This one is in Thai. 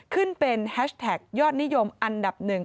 ขึ้นเป็นแฮชแท็กยอดนิยมอันดับหนึ่ง